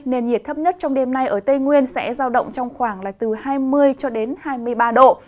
nền nhiệt thấp nhất trong đêm nay ở tây nguyên sẽ giao động trong khoảng là từ hai mươi cho đến hai mươi ba độ